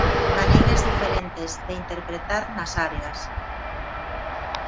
Maneiras diferentes de interpretar nas áreas.